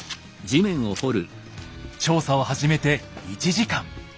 調査を始めて１時間。